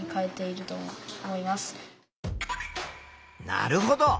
なるほど。